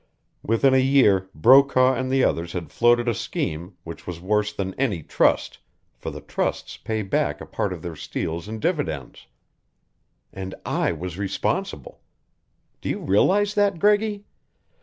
Within a year Brokaw and the others had floated a scheme which was worse than any trust, for the trusts pay back a part of their steals in dividends. And I was responsible! Do you realize that, Greggy?